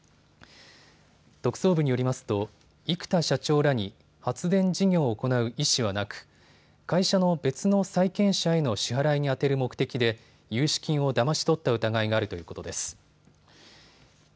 特捜部によりますと生田社長らに発電事業を行う意思はなく、会社の別の債権者への支払いに充てる目的で融資金をだまし取った疑いがあるということです。